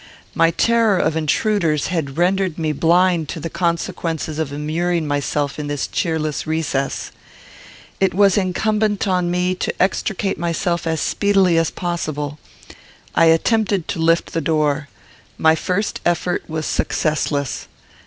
My terror of intruders had rendered me blind to the consequences of immuring myself in this cheerless recess. It was incumbent on me to extricate myself as speedily as possible. I attempted to lift the door. My first effort was successless.